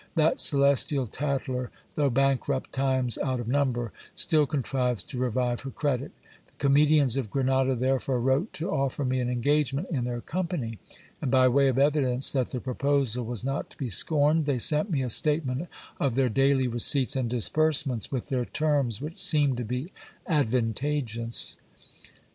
That celestial tattler, though bankrupt times out of number, still contrives to revive her credit ; the comedians of Grenada therefore wrote to offer me an engagement in their company ; and by way of evidence that the proposal was not to be scorned, they sent me a statement of their daily receipts and disbursements, with their terms, which seemed to be advantageous.